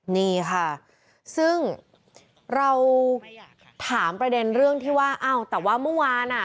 นี่ค่ะซึ่งเราถามประเด็นเรื่องที่ว่าอ้าวแต่ว่าเมื่อวานอ่ะ